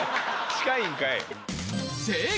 近いんかい！